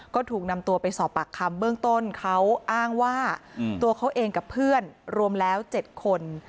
ก็ถูกนำตัวไปสอบปากคำเบื้องต้นเขาอ้างว่าตัวเขาเองกับเพื่อนรวมแล้ว๗คน